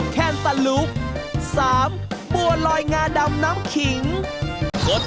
ยาวราช